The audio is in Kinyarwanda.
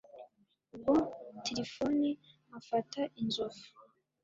ubwo tirifoni afata inzovu